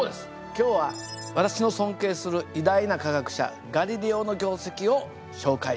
今日は私の尊敬する偉大な科学者ガリレオの業績を紹介します。